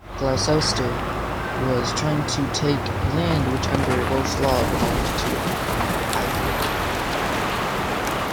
Gloucester was trying to take land which under Welsh law belonged to Ifor.